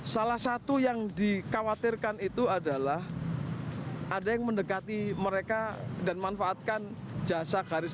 salah satu yang dikhawatirkan itu adalah ada yang mendekati mereka dan manfaatkan jasa garis